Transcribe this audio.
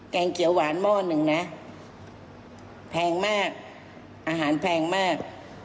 งเขียวหวานหม้อหนึ่งนะแพงมากอาหารแพงมาก